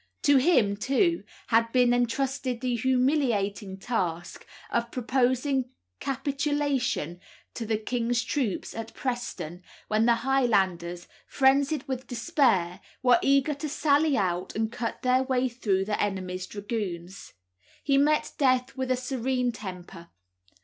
To him, too, had been entrusted the humiliating task of proposing capitulation to the king's troops at Preston, when the Highlanders, frenzied with despair, were eager to sally out and cut their way through the enemy's dragoons. He met death with a serene temper.